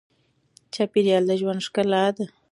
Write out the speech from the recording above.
چاپېریال د ژوند ښکلا ده.